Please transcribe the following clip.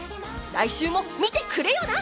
来週も見てくれよな！